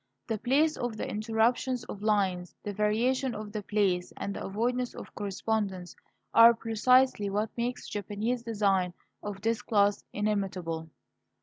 The place of the interruptions of lines, the variation of the place, and the avoidance of correspondence, are precisely what makes Japanese design of this class inimitable.